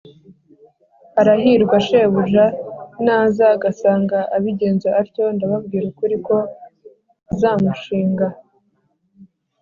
Arahirwa shebuja naza agasanga abigenza atyo ndababwira ukuri ko azamushinga